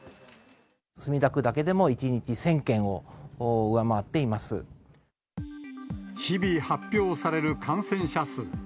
墨田区だけでも１日１０００日々、発表される感染者数。